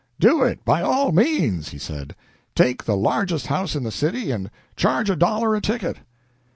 "Do it, by all means," he said. "Take the largest house in the city, and charge a dollar a ticket."